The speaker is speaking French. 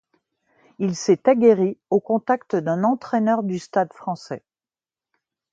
Il s'est aguerri au contact d'un entraîneur du Stade français.